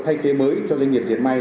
thay thế mới cho doanh nghiệp diệt may